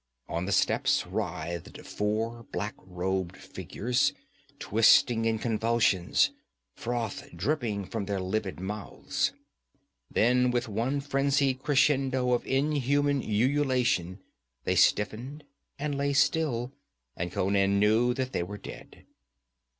On the steps writhed four black robed figures, twisting in convulsions, froth dripping from their livid mouths. Then with one frenzied crescendo of inhuman ululation they stiffened and lay still, and Conan knew that they were dead.